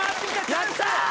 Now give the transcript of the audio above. やったー！